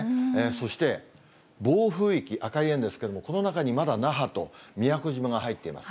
そして暴風域、赤い円ですけれども、この中にまだ那覇と宮古島が入っています。